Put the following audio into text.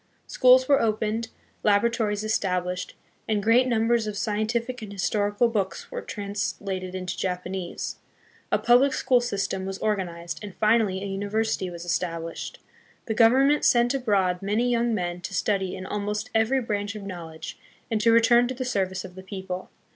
Schools were opened, latoratories established, and great numbers of scientific and historical books were trans lated into Japanese. A public school system was organized, and finally a university was established. The Government sent abroad many young men to study in almost every branch of knowledge and to return to the service of the people.